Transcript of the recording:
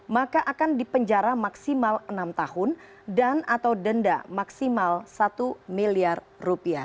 maka akan dipenjara maksimal enam tahun dan atau denda maksimal rp satu miliar rupiah